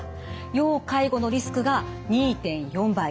要介護のリスクが２．４倍。